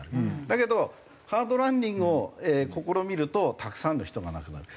だけどハードランディングを試みるとたくさんの人が亡くなる。